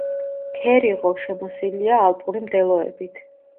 ქერიღო შემოსილია ალპური მდელოებით.